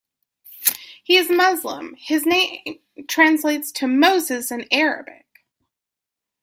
He is a Muslim.His name translates to Moses in Arabic.